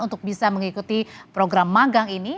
untuk bisa mengikuti program magang ini